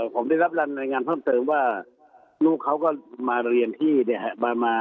ผมได้รับรายงานเพิ่มเติมว่าลูกเขาก็มาเรียนที่เนี่ยฮะ